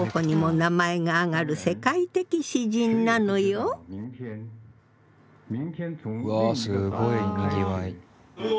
うわすごいにぎわい。